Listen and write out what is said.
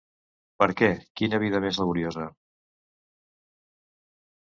Per què, quina vida més laboriosa!